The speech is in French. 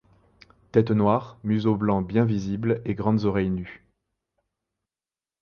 Tête noire, museau blanc bien visible et grandes oreilles nues.